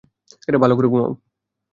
ভাল করে ঘুমাও।